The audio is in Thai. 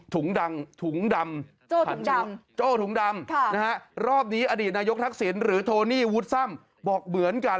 ถุงดังถุงดำ